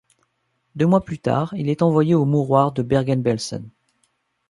Deux mois plus tard, il est envoyé au mouroir de Bergen-Belsen.